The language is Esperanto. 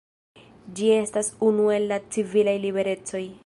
Ĝi estas unu el la civilaj liberecoj.